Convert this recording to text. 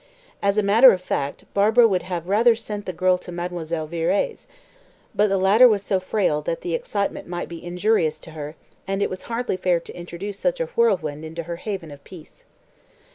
As a matter of fact, Barbara would have rather sent the girl to Mademoiselle Viré's, but the latter was so frail that the excitement might be injurious to her, and it was hardly fair to introduce such a whirlwind into her haven of peace.